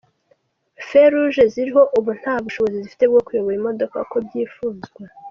Feu Rouge” ziriho ubu nta bushobozi zifite bwo kuyobora imodoka uko byifuzwa.